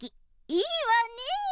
いいわね！